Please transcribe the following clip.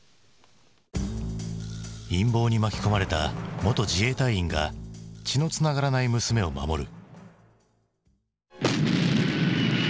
陰謀に巻き込まれた元自衛隊員が血のつながらない娘を守る。